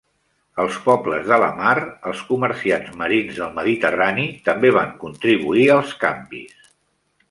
Els pobles de la mar, els comerciants marins del mediterrani, també van contribuir als canvis.